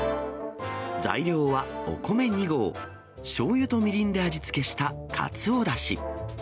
材料はお米２合、しょうゆとみりんで味付けしたかつおだし。